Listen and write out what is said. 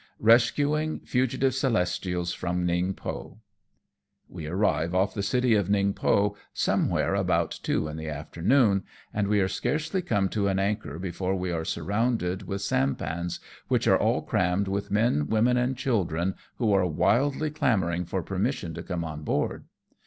EESCUING FUGITIVE CELESTIALS FEOM NINQPO, We arrive off the city of Ningpo somewliere about two iu the afternoon, and we are scarcely come to an anchor before we are surrounded with sampans which are all crammed with men, women and children, who are wildly clamouring for permission to come on board.